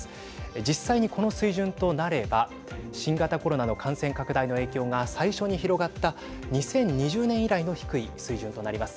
実際に、この水準となれば新型コロナの感染拡大の影響が最初に広がった２０２０年以来の低い水準となります。